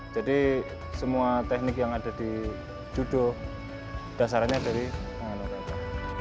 jadi semua teknik yang ada di judo dasarnya dari nengenok kata